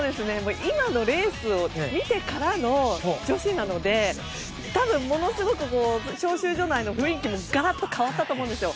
今のレースを見てからの女子なので多分ものすごく招集所内の雰囲気もガラッと変わったと思うんですよ。